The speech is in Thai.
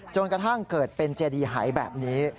จนกระทั่งเกิดเป็นเจดีหายแบบนี้